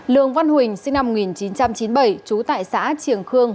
lương văn huỳnh sinh năm một nghìn chín trăm chín mươi bảy trú tại xã triềng khương